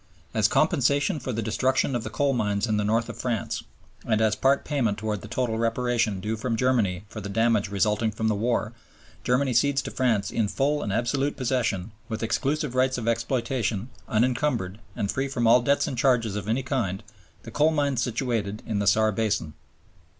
"As compensation for the destruction of the coal mines in the north of France, and as part payment towards the total reparation due from Germany for the damage resulting from the war, Germany cedes to France in full and absolute possession, with exclusive rights of exploitation, unencumbered, and free from all debts and charges of any kind, the coal mines situated in the Saar Basin."